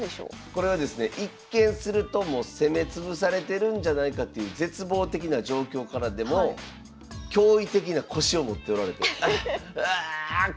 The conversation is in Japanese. これはですね一見するともう攻め潰されてるんじゃないかという絶望的な状況からでも驚異的な腰を持っておられてうっ！